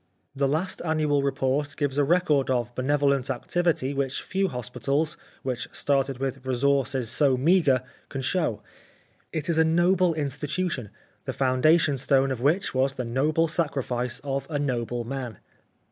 The last annual report gives a record of benevolent activity which few hospitals^ which started with resources so meagre, can show. It is a noble institution, the foundation stone of which was the noble sacrifice of a noble man.